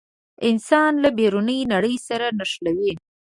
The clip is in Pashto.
انسان له بیروني نړۍ سره نښلوي.